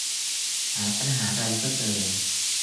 หาปัญหาไรก็เจอ